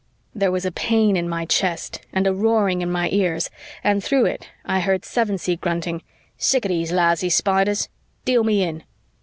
There was a pain in my chest and a roaring in my ears and through it I heard Sevensee grunting, " sicka these lousy Spiders. Deal me in."